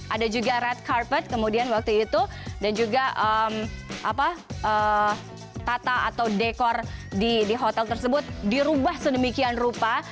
ada juga red carpet kemudian waktu itu dan juga tata atau dekor di hotel tersebut dirubah sedemikian rupa